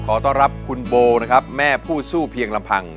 ขอต้อนรับคุณโบนะครับแม่ผู้สู้เพียงลำพัง